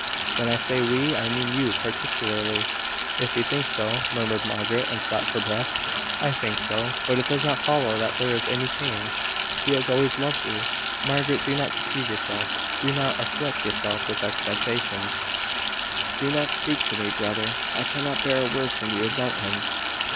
'" "When I say `we,' I mean you particularly." "If you think so " murmured Margaret, and stopped for breath. "I think so; but it does not follow that there is any change. He has always loved you. Margaret, do not deceive yourself. Do not afflict yourself with expectations " "Do not speak to me, brother. I cannot bear a word from you about him."